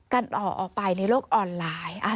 กันออกไปในโลกออนไลน์